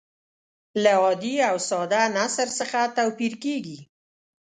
له عادي او ساده نثر څخه توپیر کیږي.